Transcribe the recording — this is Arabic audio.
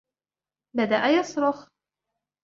بدأ يصرخ.